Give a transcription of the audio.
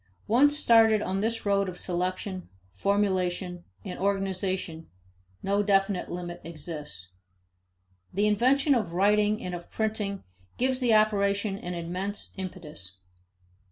Once started on this road of selection, formulation, and organization, no definite limit exists. The invention of writing and of printing gives the operation an immense impetus.